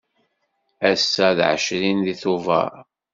Ass-a d ɛecrin deg Tubeṛ.